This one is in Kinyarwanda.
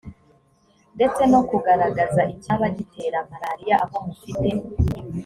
ndetse no kugaragaza icyaba gitera malariya aho mufite